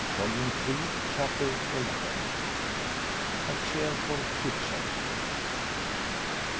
Volume Three, Chapter XI. A CHEERFUL KITCHEN.